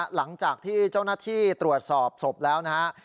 หลังจากที่เจ้าหน้าที่ตรวจสอบศพแล้วนะฮะ